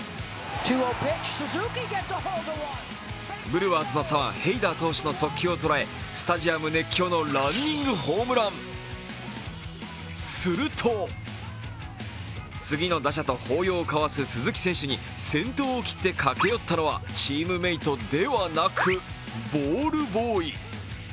ブルワーズの左腕、ヘイダー投手の速球を捕らえ、スタジアム熱狂のランニングホームラン、すると、次の打者と抱擁を交わす鈴木選手に先頭を切って駆け寄ったのはチームメートではなく、ボールボーイ。